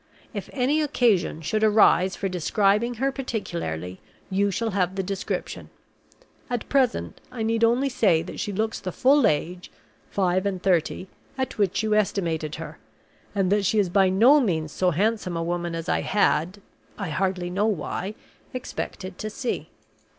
If any occasion should arise for describing her particularly, you shall have the description. At present I need only say that she looks the full age (five and thirty) at which you estimated her, and that she is by no means so handsome a woman as I had (I hardly know why) expected to see.